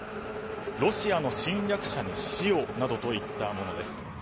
ロシアの侵略者に死をなどといったものです。